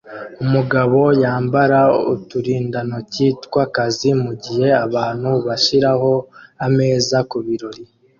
Umugabo yambara uturindantoki twakazi mugihe abantu bashiraho ameza kubirori